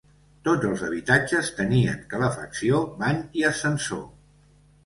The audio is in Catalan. Tots els habitatges tenien calefacció, bany i ascensor.